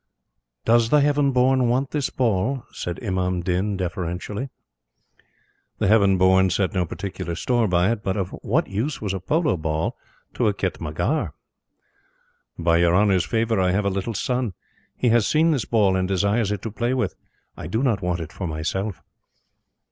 "Does the Heaven born want this ball?" said Imam Din, deferentially. The Heaven born set no particular store by it; but of what use was a polo ball to a khitmatgar? "By Your Honor's favor, I have a little son. He has seen this ball, and desires it to play with. I do not want it for myself."